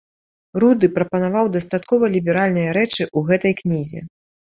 Руды прапаноўваў дастаткова ліберальныя рэчы ў гэтай кнізе.